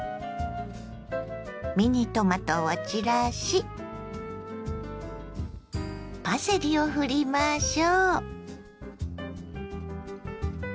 ミニトマトを散らしパセリをふりましょ。